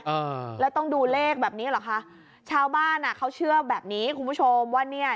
เออแล้วต้องดูเลขแบบนี้เหรอคะชาวบ้านอ่ะเขาเชื่อแบบนี้คุณผู้ชมว่าเนี่ย